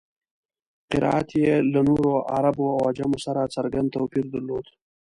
قرائت یې له نورو عربو او عجمو سره څرګند توپیر درلود.